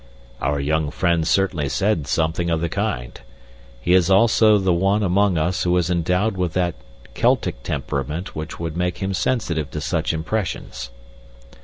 "Our young friend certainly said something of the kind. He is also the one among us who is endowed with that Celtic temperament which would make him sensitive to such impressions."